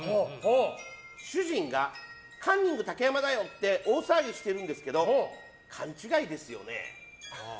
主人がカンニング竹山って大騒ぎしているんですけれど勘違いですよね？